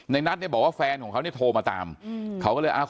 ในนัดจะบอกว่าแฟนของเขาที่โทรมาตามเขาเลยอ๊าขอ